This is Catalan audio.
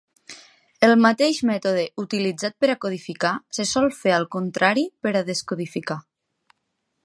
El mateix mètode utilitzat per a codificar se sol fer al contrari per a descodificar.